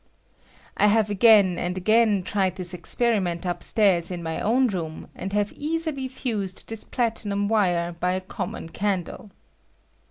I have again and again tried this experiment up stairs in my own room, and have easily fused this platinum wire by a common candle.